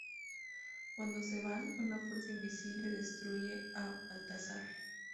Cuando se van, una fuerza invisible destruye a Balthazar.